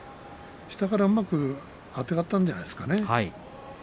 下からうまくあてがったんじゃないですかね。